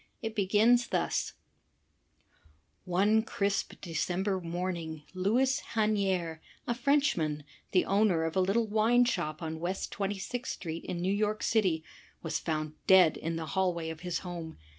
It begins thus: One crisp December morning Louis Hanier, a Frenchman, the owner of a little wine shop on West Twenty sixth street in New York City, was found dead in the hallway of his home.